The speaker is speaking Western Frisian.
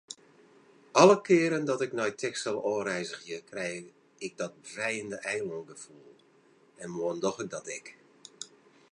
Alle kearen dat ik nei Texel ôfreizgje, krij ik dat befrijende eilângefoel.